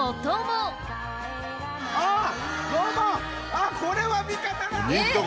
あっこれは味方だ！